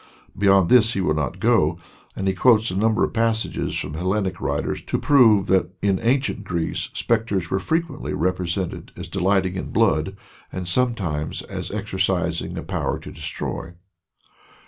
Beyond this he will not go, and he quotes a number of passages from Hellenic writers to prove that in ancient Greece spectres were frequently represented as delighting in blood, and sometimes as exercising a power to destroy.